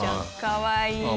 かわいい。